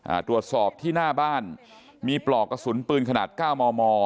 อ่าตรวจสอบที่หน้าบ้านมีปลอกกระสุนปืนขนาดเก้ามอมอ